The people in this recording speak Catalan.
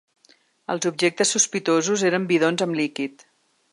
Els objectes sospitosos eren bidons amb líquid.